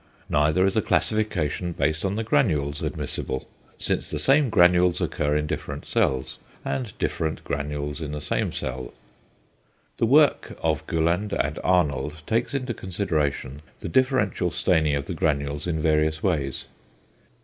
Neither is a classification based on the granules admissible, since the same granules occur in different cells, and different granules in the same cell. The work of Gulland and Arnold takes into consideration the differential staining of the granules in various ways.